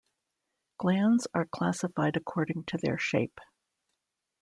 Glands are classified according to their shape.